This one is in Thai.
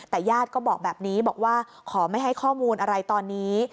แต่ญาติก็บอกแบบนี้บอกว่าขอไม่ให้ข้อมูลอะไรตอนนี้